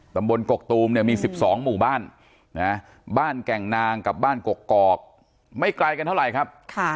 กกตูมเนี่ยมี๑๒หมู่บ้านบ้านแก่งนางกับบ้านกกอกไม่ไกลกันเท่าไหร่ครับ